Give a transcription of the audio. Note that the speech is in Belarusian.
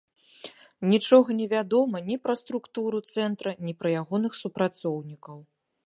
Нічога невядома ні пра структуру цэнтра, ні пра ягоных супрацоўнікаў.